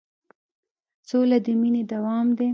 سوله د مینې دوام دی.